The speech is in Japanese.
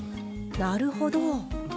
なるほど！